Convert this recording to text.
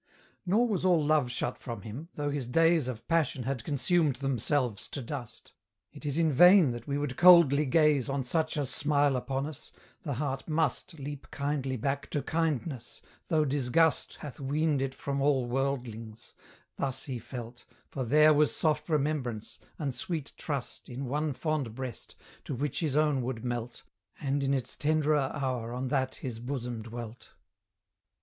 Nor was all love shut from him, though his days Of passion had consumed themselves to dust. It is in vain that we would coldly gaze On such as smile upon us; the heart must Leap kindly back to kindness, though disgust Hath weaned it from all worldlings: thus he felt, For there was soft remembrance, and sweet trust In one fond breast, to which his own would melt, And in its tenderer hour on that his bosom dwelt.